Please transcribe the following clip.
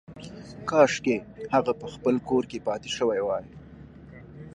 کاشکې هغه په خپل کور کې پاتې شوې وای